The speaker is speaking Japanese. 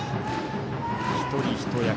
一人一役